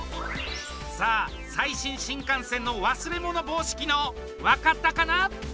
さあ最新新幹線の忘れ物防止機能分かったかな？